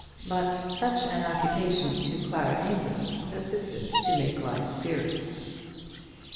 But such an occupation to Clara Amedroz assisted to make life serious.